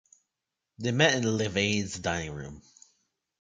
They meet in Levade's dining room.